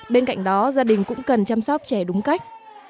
bên cạnh đó gia đình cũng cần chăm sóc trẻ đúng cách